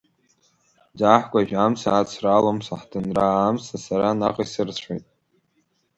Ӡаҳкәажә амца ацралом саҳҭынра, амца сара наҟ исырцәоит.